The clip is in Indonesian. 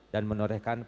dan menorehkan kepentingan